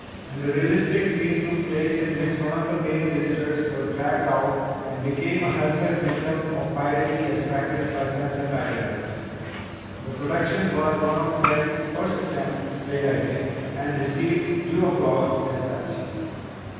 And a realistic scene took place in which one of the male visitors was dragged out and became a helpless victim of piracy as practised by Sunset Islanders. The production was one of Fred's first attempts at play writing, and received due applause as such.